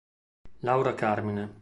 Laura Carmine